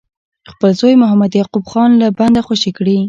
خپل زوی محمد یعقوب خان له بنده خوشي کړي.